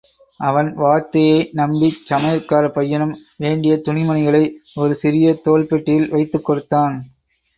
அவன் வார்த்தையை நம்பிச் சமையற்காரப் பையனும் வேண்டிய துணிமணிகளை ஒரு சிறிய தோல் பெட்டியில் வைத்துக் கொடுத்தான்.